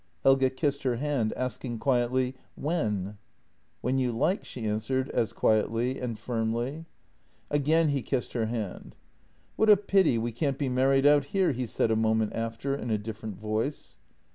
Helge kissed her hand, asking quietly: "When?" "When you like," she answered as quietly — and firmly. Again he kissed her hand. " What a pity we can't be married out here," he said a mo ment after in a different voice.